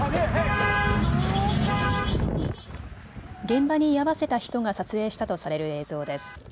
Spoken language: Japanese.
現場に居合わせた人が撮影したとされる映像です。